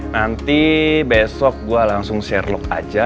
nanti besok gue langsung share log aja ya